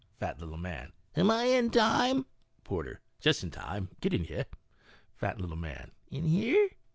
, Fat Little Man. " Am I in time ?" Porter. " Just in time ; get in here." Fat Little Man. "Inhere?"